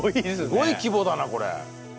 すごい規模だなこれ。